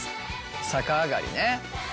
逆上がりね。